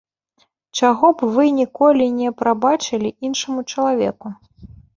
Чаго б вы ніколі не прабачылі іншаму чалавеку?